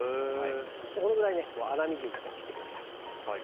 このくらい粗みじんに切ってください。